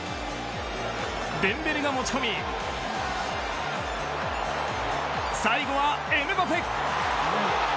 デンベレが持ち込み最後はエムバペ。